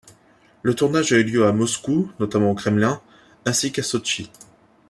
Le tournage a eu lieu à Moscou, notamment au Kremlin, ainsi qu'à Sotchi.